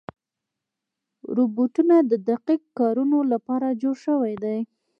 روبوټونه د دقیق کارونو لپاره جوړ شوي دي.